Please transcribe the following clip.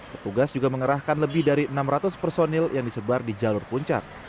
petugas juga mengerahkan lebih dari enam ratus personil yang disebar di jalur puncak